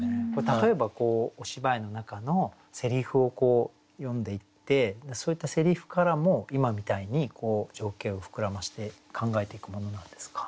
例えばお芝居の中のせりふを読んでいってそういったせりふからも今みたいに情景を膨らまして考えていくものなんですか？